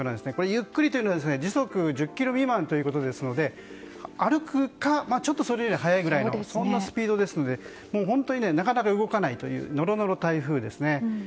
ゆっくりというのは時速１０キロ未満ですので歩くか、ちょっとそれより速いぐらいのスピードですのでなかなか動かないノロノロ台風ですね。